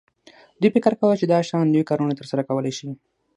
دوی فکر کاوه چې دا شیان لوی کارونه ترسره کولی شي